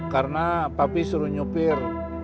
karena papi suruh nyopir